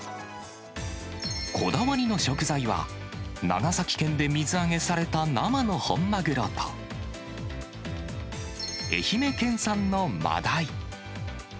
こだわりの食材は、長崎県で水揚げされた生の本マグロと、愛媛県産のマダイ。